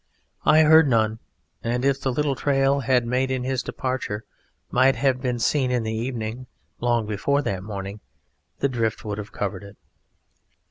I heard none: and if the little trail he had made in his departure might have been seen in the evening, long before that morning the drift would have covered it.